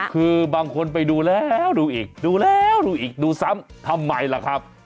คือบางคนไปดูแล้วดูอีกดูแล้วดูอีกดูซ้ำทำไมล่ะครับ